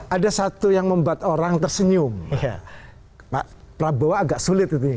ada satu yang membuat orang tersenyum pak prabowo agak sulit ini